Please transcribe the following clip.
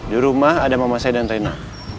di rumah ada mama saya dan tena